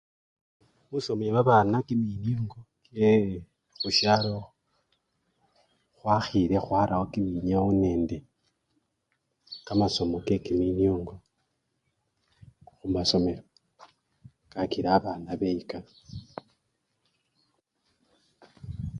Khusomya babana kiminiongo kyekhusyalo, khwakhile khwarawo kiminyawo nende kamasomo kekiminiongo khumasomelo kakila babana beyika.